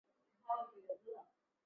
三十九年以户部左侍郎署掌部务。